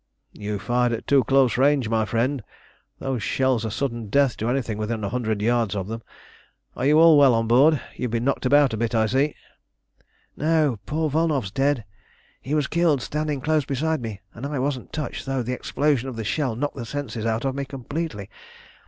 "You fired at too close range, my friend. Those shells are sudden death to anything within a hundred yards of them. Are you all well on board? You've been knocked about a bit, I see." "No; poor Volnow's dead. He was killed standing close beside me, and I wasn't touched, though the explosion of the shell knocked the senses out of me completely.